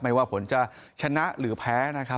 ว่าผลจะชนะหรือแพ้นะครับ